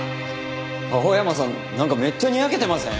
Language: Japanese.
青山さんなんかめっちゃニヤけてません？